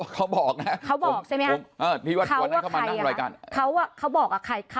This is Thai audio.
เขาบอกใช่มั้ย